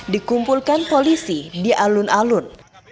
dikumpulkan polisi di alun alun